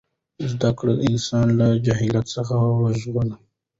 زده کړه انسان له جهالت څخه ژغوري.